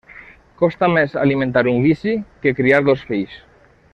Costa més alimentar un vici que criar dos fills.